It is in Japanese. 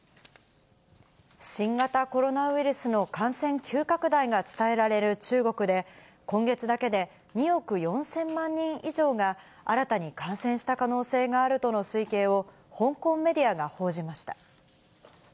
新型コロナウイルスの感染急拡大が伝えられる中国で、今月だけで２億４０００万人以上が、新たに感染した可能性があるとの推計を、香港メディアが報じました。